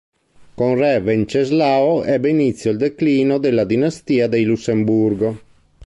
Con re Venceslao ebbe inizio il declino della dinastia dei Lussemburgo.